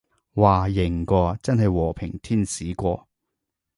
嘩，型喎，真係和平天使喎